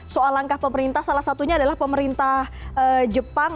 soal langkah pemerintah salah satunya adalah pemerintah jepang